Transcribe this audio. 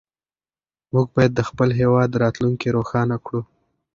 موږ باید د خپل هېواد راتلونکې روښانه کړو.